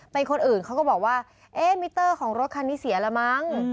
เป็นคนอื่นเขาก็บอกว่าเอ๊ะมิเตอร์ของรถคันนี้เสียแล้วมั้ง